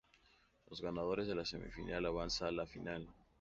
Los ganadores de la semifinal avanzan a la Final.